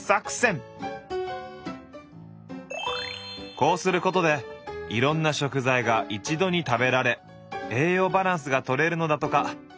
こうすることでいろんな食材が一度に食べられ栄養バランスが取れるのだとか。